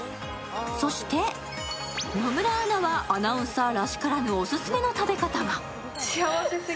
そして、野村アナはアナウンサーらしからぬ、オススメの食べ方が。